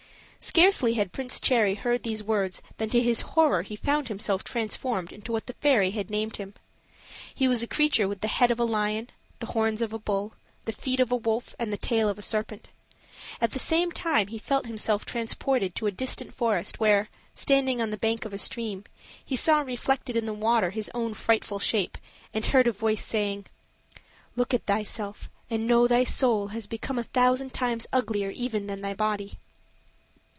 Scarcely had Prince Cherry heard these words than to his horror he found himself transformed into what the Fairy had named. He was a creature with the head of a lion, the horns of a bull, the feet of a wolf, and the tail of a serpent. At the same time he felt himself transported to a distant forest, where, standing on the bank of a stream, he saw reflected in the water his own frightful shape, and heard a voice saying: "Look at thyself, and know thy soul has become a thousand times uglier even than thy body."